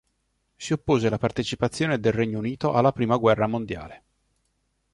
Si oppose alla partecipazione del Regno Unito alla prima guerra mondiale.